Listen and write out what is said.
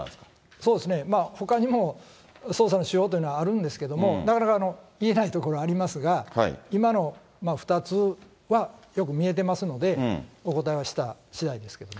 そうですね、ほかにも捜査の手法というのはあるんですけど、なかなか言えないところありますが、今の２つはよく見えてますので、お答えはしたしだいですけれどもね。